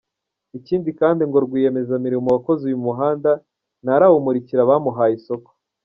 Ikindi kandi ngo rwiyemezamirimo wakoze uyu muhanda ntarawumurikira abamuhaye isoko.